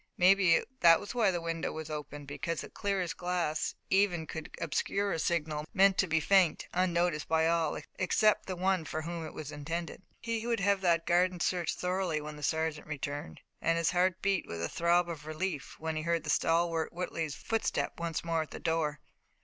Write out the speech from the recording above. Maybe that was why the window was open, because the clearest glass even could obscure a signal meant to be faint, unnoticed by all except the one for whom it was intended. He would have that garden searched thoroughly when the sergeant returned, and his heart beat with a throb of relief when he heard the stalwart Whitley's footstep once more at the door.